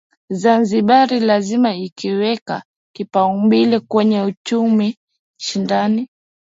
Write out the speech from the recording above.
Zanzibar lazima ikaweka kipaumbele kwenye uchumi shindani